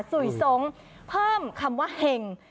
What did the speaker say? ซุ่ยสงฆ์เพิ่มคำว่าเห็ง